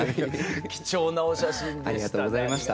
貴重なお写真でした。